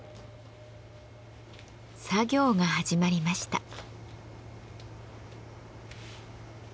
作業が始まりました。